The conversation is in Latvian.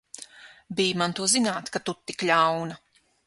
Bij man to zināt, ka tu tik ļauna!